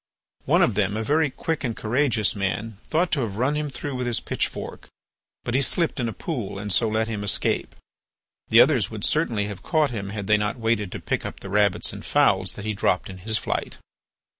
One of them, a very quick and courageous man, thought to have run him through with his pitchfork; but he slipped in a pool and so let him escape. The others would certainly have caught him had they not waited to pick up the rabbits and fowls that he dropped in his flight.